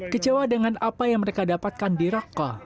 kecewa dengan apa yang mereka dapatkan di rokok